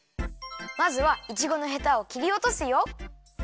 まずはいちごのヘタをきりおとすよ。